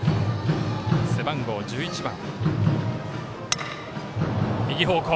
背番号１１番。